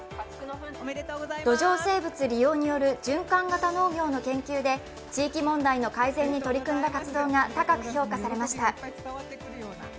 土壌生物利用による循環型農業の研究で地域問題の改善に取り組んだ活動が高く評価されました。